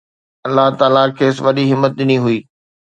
الله تعاليٰ کيس وڏي همت ڏني هئي